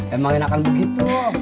emang enakan begitu om